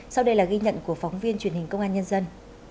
sau đây là ghi nhận của phóng viên truyền hình công an nhân dân